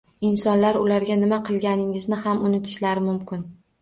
Insonlar ularga nima qilganingizni ham unutishlari mumkin.